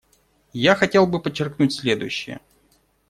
Я хотел бы подчеркнуть следующее.